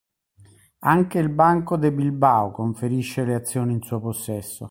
Anche il Banco de Bilbao conferisce le azioni in suo possesso.